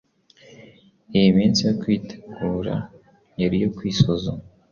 Iyi minsi yo kwitegura yari iyo kwisuzuma.